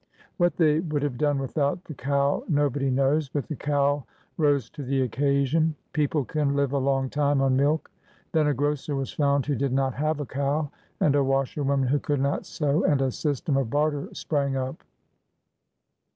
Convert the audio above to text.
What they would have done without the cow nobody knows. But the cow rose to the occasion. People can live a long time on milk. Then a grocer was found who did not have a cow, and a washerwoman who could not sew, and a system of barter sprang up.